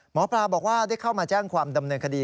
หมอปลาบอกว่าได้เข้ามาแจ้งความดำเนินคดี